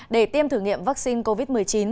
để tiêm thử nghiệm vaccine covid một mươi chín